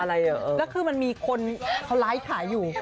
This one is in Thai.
แล้วคือมันมีคนเขาไลฟ์ขายอยู่